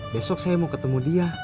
besok saya mau ketemu dia